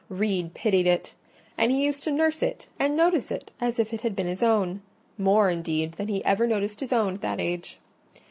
Reed pitied it; and he used to nurse it and notice it as if it had been his own: more, indeed, than he ever noticed his own at that age.